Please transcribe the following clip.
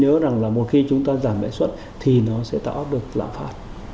nhớ rằng là một khi chúng ta giảm lãi suất thì nó sẽ tạo áp được lãm pháp